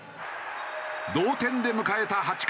同点で迎えた８回。